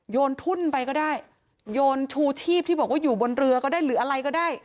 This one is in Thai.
นทุ่นไปก็ได้โยนชูชีพที่บอกว่าอยู่บนเรือก็ได้หรืออะไรก็ได้